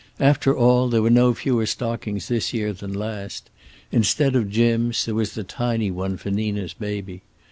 After all, there were no fewer stockings this year than last. Instead of Jim's there was the tiny one for Nina's baby.